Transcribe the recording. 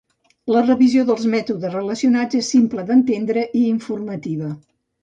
La revisió dels mètodes relacionats és simple d'entendre i informativa.